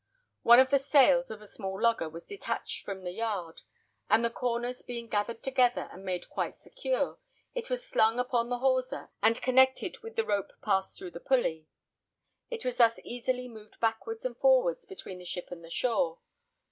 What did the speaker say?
One of the sails of a small lugger was detached from the yard, and the corners being gathered together and made quite secure, it was slung upon the hawser, and connected with the rope passed through the pulley. It was thus easily moved backwards and forwards between the ship and the shore.